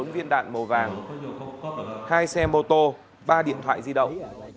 một mươi bốn viên đạn màu vàng hai xe mô tô ba điện thoại di động